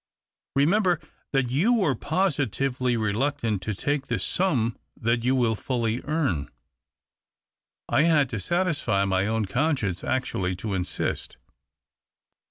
Remember that you were positively reluctant to take the sum that you will fully earn. I had, to satisfy my own conscience, actually to insist.